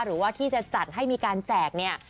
หรือว่าที่จะจัดให้มีการแจกเนี่ย